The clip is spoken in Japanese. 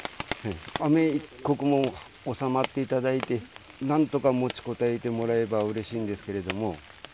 雨、一刻も収まっていただいて、なんとか持ちこたえてもらえばうれしいんですけれども。